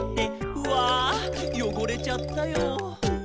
「うぁよごれちゃったよ」